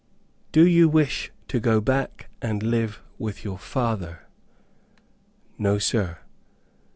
"Do you wish to go back and live with your father?" "No Sir."